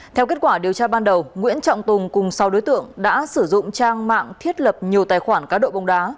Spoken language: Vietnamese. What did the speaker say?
theo kết quả điều tra ban đầu nguyễn trọng tùng cùng sáu đối tượng đã sử dụng trang mạng thiết lập nhiều tài khoản cá độ bóng đá